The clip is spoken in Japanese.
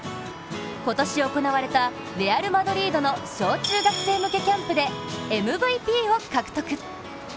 今年行われたレアル・マドリードの小中学生向けキャンプでＭＶＰを獲得。